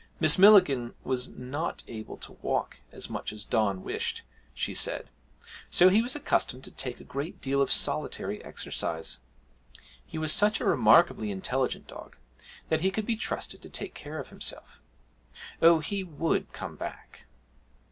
Miss Millikin was not able to walk as much as Don wished, she said, so he was accustomed to take a great deal of solitary exercise; he was such a remarkably intelligent dog that he could be trusted to take care of himself oh, he would come back.